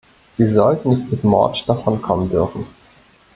Sie sollten nicht mit Mord davonkommen dürfen.